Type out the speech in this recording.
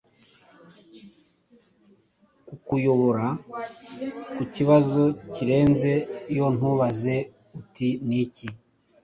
Kukuyobora kukibazo kirenze Yoontubaze uti Niki?